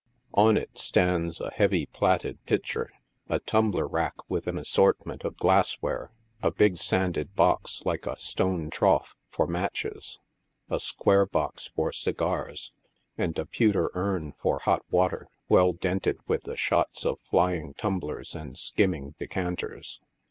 On it stands a heavy plaited pitcher, a tumbler rack with an assortment of glassware, a big sanded box, like a stone trough, for matches ; a square box for segars, and a pewter urn for hot water, well dented with the shots of flying tumblers and skimming decanters.